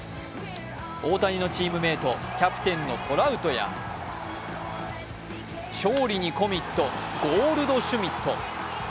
大谷チームメート、キャプテンのトラウトや勝利にコミット、ゴールドシュミット。